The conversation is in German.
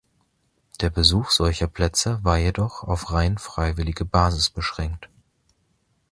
Der Besuch solcher Plätze war jedoch auf rein freiwillige Basis beschränkt.